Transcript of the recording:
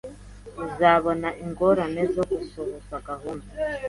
Uzabona ingorane zo gusohoza gahunda.